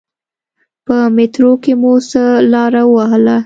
په میترو کې مو څه لاره و وهله.